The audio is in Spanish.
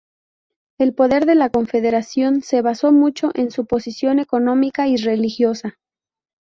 El poder de la Confederación se basó mucho en su posición económica y religiosa.